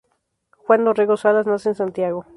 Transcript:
Juan Orrego Salas nace en Santiago.